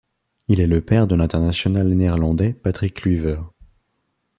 Il est le père de l'international néerlandais Patrick Kluivert.